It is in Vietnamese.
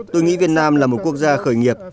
tôi nghĩ việt nam là một quốc gia khởi nghiệp